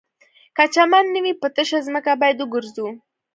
که چمن نه وي په تشه ځمکه باید وګرځو